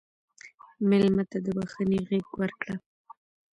مېلمه ته د بښنې غېږ ورکړه.